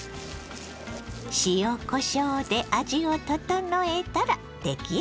塩こしょうで味を調えたら出来上がり。